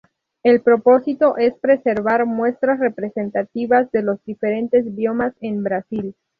El propósito es preservar muestras representativas de los diferentes biomas en Brasil.